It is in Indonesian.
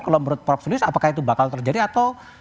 kalau menurut prof sulis apakah itu bakal terjadi atau